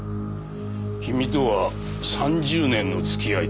君とは３０年の付き合いだ。